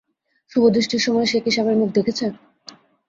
শুভদৃষ্টির সময় সে কি স্বামীর মুখ দেখেছে?